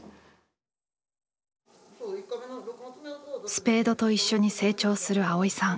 スペードと一緒に成長する蒼依さん。